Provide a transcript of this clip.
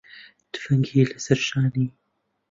تفەنگی لەسەر شانی